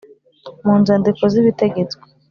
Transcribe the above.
Mu nzandiko z' ibitegetswe